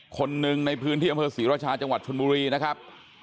คนหนึ่งในพื้นที่อำเภอศรีราชาจังหวัดชนบุรีนะครับ